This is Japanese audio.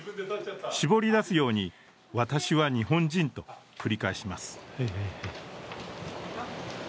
絞り出すように「私は日本人」と繰り返します。